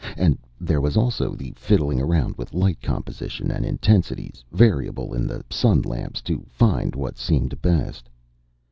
And there was also the fiddling around with light composition and intensities, variable in the sun lamps, to find what seemed best.